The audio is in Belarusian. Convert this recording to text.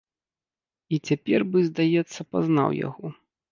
І цяпер бы, здаецца, пазнаў яго.